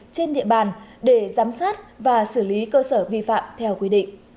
trên địa bàn để giám sát và xử lý cơ sở vi phạm theo quy định